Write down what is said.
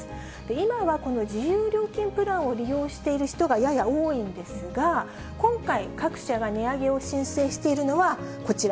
今はこの自由料金プランを利用している人がやや多いんですが、今回、各社が値上げを申請しているのはこちら、